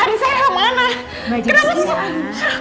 adi saya kemana kenapa susah